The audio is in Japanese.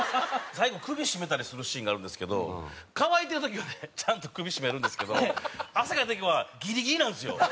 最後首絞めたりするシーンがあるんですけど乾いてる時はねちゃんと首絞めるんですけど汗かいてる時はギリギリなんですよ。